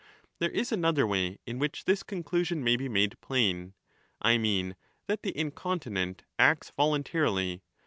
There is another way in which this conclusion may be made plain; I mean, that the incontinent acts voluntarily.